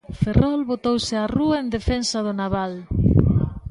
Ferrol botouse á rúa en defensa do naval.